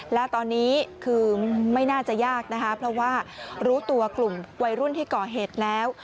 แล้วตอนนี้คือไม่น่าจะยากนะคะเพราะว่ารู้ตัวกลุ่มวัยรุ่นที่ก่อเหตุแล้ว